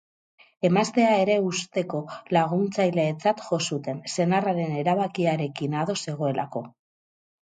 Emaztea ere ustezko laguntzailetzat jo zuten, senarraren erabakiarekin ados zegoelako.